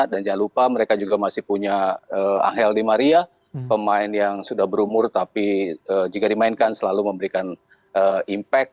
dan jangan lupa mereka juga masih punya angel di maria pemain yang sudah berumur tapi jika dimainkan selalu memberikan impact